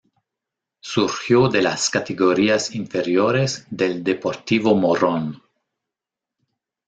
Surgió de las categorías inferiores del Deportivo Morón.